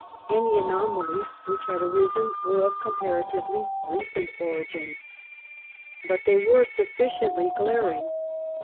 ^ Any anomalies which had arisen were of com paratively "recent origin". But they were sufficiently glaring.